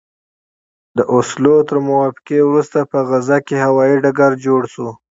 د اوسلو تر موافقې وروسته په غزه کې هوايي ډګر جوړ شو.